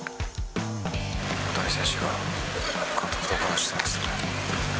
大谷選手が監督とお話してますね。